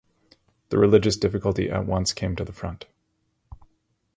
The religious difficulty at once came to the front.